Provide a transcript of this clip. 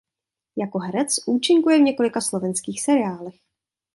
Jako herec účinkuje v několika slovenských seriálech.